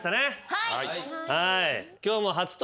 はい。